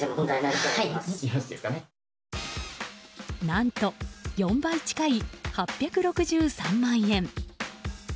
何と４倍近い８６３万円。